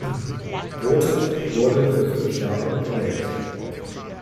Groote wurde für fünf Jahre gewählt.